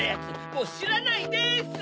もうしらないです！